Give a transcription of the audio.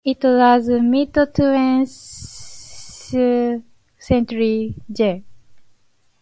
In the mid-twentieth century J.